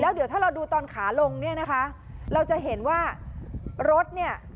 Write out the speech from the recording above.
เดี๋ยวถ้าเราดูตอนขาลงเนี่ยนะคะเราจะเห็นว่ารถเนี่ย